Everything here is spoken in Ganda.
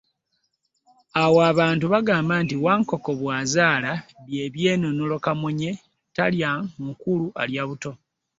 Awo abantu bagamba nti, Wankoko by’azaala bye byenunulo Kamunye talya nkulu alya buto.